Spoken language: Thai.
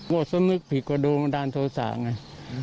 กลัวเลยนึกผิดก็โดนการโทรศาสตร์ไง